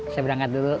saya berangkat dulu